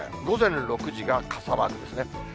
午前６時が傘マークですね。